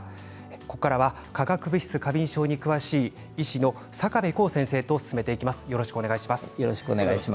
ここからは化学物質過敏症に詳しい医師の坂部貢先生と進めていきます。